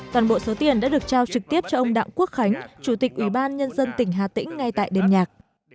toàn bộ số tiền đã được trao trực tiếp cho ông đặng quốc khánh chủ tịch ủy ban nhân dân tỉnh hà tĩnh ngay tại đêm nhạc